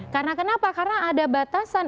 karena kenapa karena ada batasan